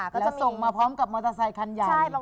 ก็จะส่งมาพร้อมกับมอเตอร์ไซคันใหญ่